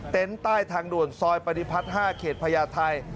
ใต้ทางด่วนซอยปฏิพัฒน์๕เขตพญาไทย